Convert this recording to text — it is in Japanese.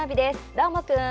どーもくん！